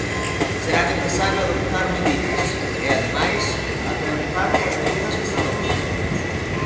Será necesario adoptar medidas e, ademais, acertar coas medidas que se adopten.